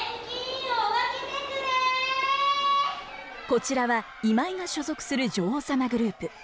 こちらはイマイが所属する女王様グループ。